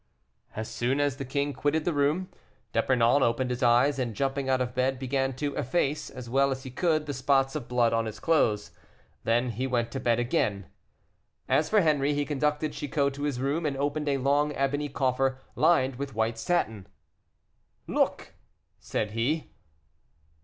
As soon as the king quitted the room, D'Epernon opened his eyes; and, jumping out of bed, began to efface, as well as he could, the spots of blood on his clothes. Then he went to bed again. As for Henri, he conducted Chicot to his room, and opened a long ebony coffer lined with white satin. "Look!" said he.